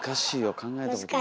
考えたことないもん。